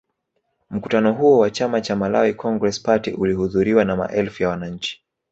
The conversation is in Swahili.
Mkutano huo wa chama cha Malawi Congress Party ulihudhuriwa na maelfu ya wananchi